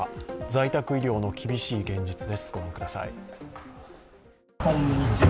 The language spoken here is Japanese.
在宅医療の厳しい現実です。